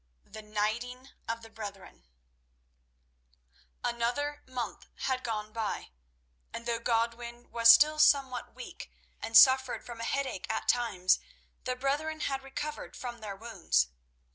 The Knighting of the Brethren Another month had gone by, and though Godwin was still somewhat weak and suffered from a headache at times, the brethren had recovered from their wounds.